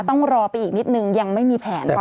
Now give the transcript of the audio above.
ต้องรอไปอีกนิดนึงยังไม่มีแผนกว่า